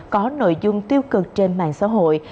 có nội dung tiêu cực trên mạng xã hội